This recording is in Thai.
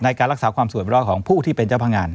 ในการรักษาความสวยไปรอดของผู้ที่เป็นเจ้าพนักงาน